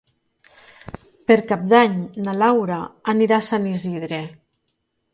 Per Cap d'Any na Laura anirà a Sant Isidre.